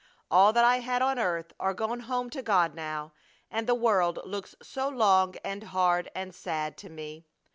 All that I had on earth are gone home to God now, and the world looks so long and hard and sad to me!